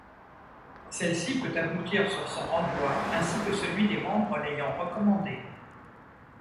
Celle-ci peut aboutir sur son renvoi ainsi que celui des membres l'ayant recommandé.